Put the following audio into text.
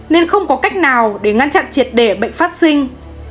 nên không có cách nào để ngăn chặn triệt để bệnh phát sinh